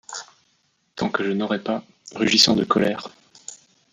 Tant que je n'aurais pas, rugissant de colère